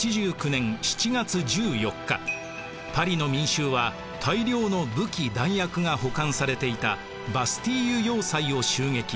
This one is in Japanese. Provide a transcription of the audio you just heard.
パリの民衆は大量の武器弾薬が保管されていたバスティーユ要塞を襲撃。